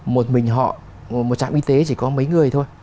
một mình một trạm y tế chỉ có mấy người thôi